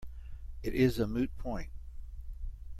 It is a moot point.